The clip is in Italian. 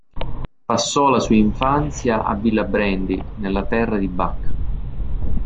Passò la sua infanzia a Villa Brandy, nella Terra di Buck.